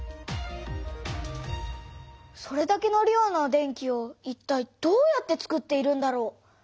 それだけの量の電気をいったいどうやってつくっているんだろう。